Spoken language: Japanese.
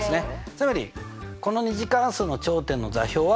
つまりこの２次関数の頂点の座標は？